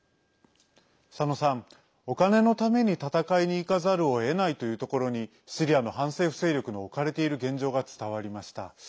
佐野さん、お金のために戦いに行かざるをえないというところにシリアの反政府勢力の置かれている現状が伝わりました。